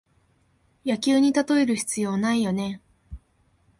野球にたとえる必要ないよね